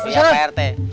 siap pak rt